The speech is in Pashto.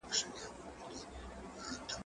هغه وويل چي نان صحي دی؟